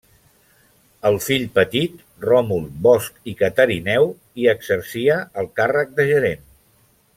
El fill petit, Ròmul Bosch i Catarineu hi exercia el càrrec de gerent.